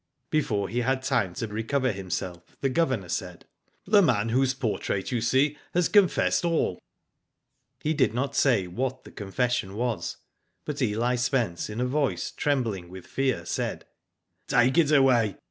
Before he had time to recover himself, the Governor said :" The man whose portrait you see has confessed all." He did not say what the confession was, but Eli Spence in a voice, trembling with fear, said : Take it away.